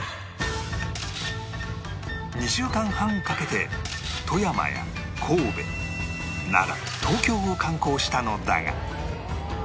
２週間半かけて富山や神戸奈良東京を観光したのだが